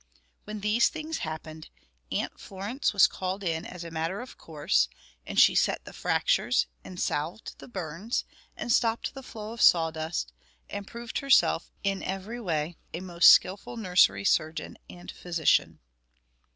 When these things happened, Aunt Florence was called in as a matter of course; and she set the fractures, and salved the burns, and stopped the flow of sawdust, and proved herself in every way a most skillful nursery surgeon and physician.